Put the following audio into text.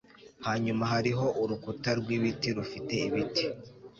Hanyuma hariho urukuta rwibiti rufite ibiti